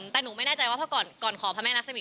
แต่หนูไม่แน่ใจว่าเพราะก่อนขอพระแม่รักษมี